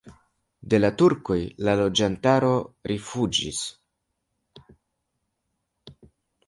De la turkoj la loĝantaro rifuĝis.